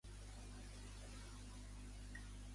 Es diu Siraj: essa, i, erra, a, jota.